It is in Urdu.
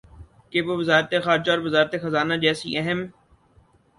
کہ وہ وزارت خارجہ اور وزارت خزانہ جیسی اہم